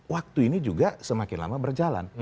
waktu ini juga semakin lama berjalan